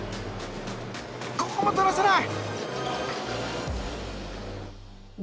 ここもとらせない。